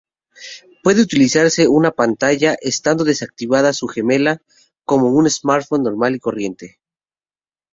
Puede utilizarse una pantalla, estando desactivada su gemela, como un smartphone normal y corriente.